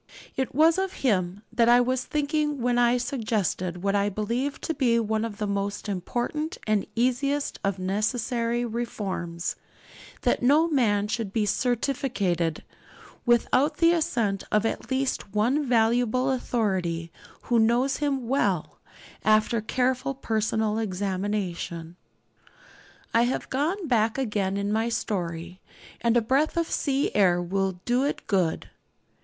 It was of him that I was thinking when I suggested what I believe to be one of the most important and easiest of necessary reforms that no man should be 'certificated' without the assent of at least one valuable authority who knows him well, after careful personal examination. I have gone back again in my story, and a breath of sea air will do it good.